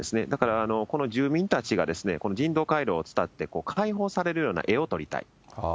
だから、この住民たちが人道回廊を伝って解放されるような絵を撮りたい。